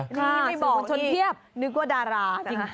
นี่ไม่บอกอีกนึกว่าดาราจริง